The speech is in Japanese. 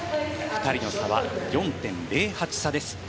２人の差は４．０８差です。